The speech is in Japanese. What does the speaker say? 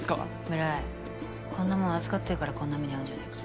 村井こんなもん預かってるからこんな目に遭うんじゃねぇか。